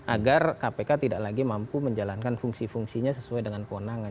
agar kpk tidak lagi mampu menjalankan fungsi fungsinya sesuai dengan kewenangan